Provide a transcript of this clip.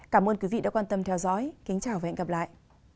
cảm ơn quý vị đã quan tâm theo dõi kính chào và hẹn gặp lại